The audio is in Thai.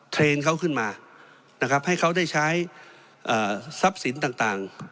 เทรนเขาขึ้นมานะครับให้เขาได้ใช้ทรัพย์สินต่าง